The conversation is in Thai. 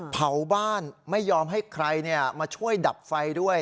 เผาบ้านไม่ยอมให้ใครมาช่วยดับไฟด้วย